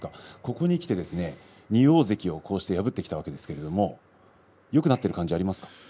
ここにきて２大関を破ってきたわけですがよくなっている感じはありますか。